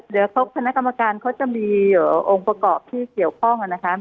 เดี๋ยวคณะกรรมการเขาจะมีองค์ประกอบที่เกี่ยวข้องนะคะ